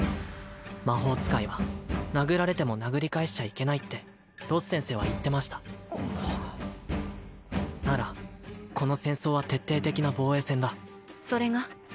魔法使いは殴られても殴り返しちゃいけないってロス先生は言ってましたならこの戦争は徹底的な防衛戦だそれが？